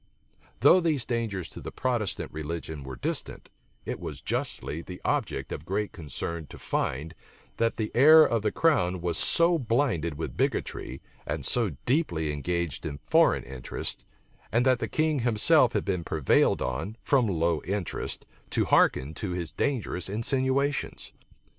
Though these dangers to the Protestant religion were distant, it was justly the object of great concern to find, that the heir of the crown was so blinded with bigotry, and so deeply engaged in foreign interests; and that the king himself had been prevailed on, from low Interests, b hearken to his dangerous insinuations.